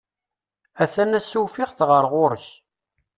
A-t-an ass-a ufiɣ-t ɣer ɣur-k.